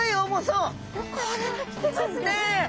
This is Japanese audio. これはきてますね。